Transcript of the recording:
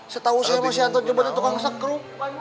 setahu saya masih anton jebon itu kongsek kru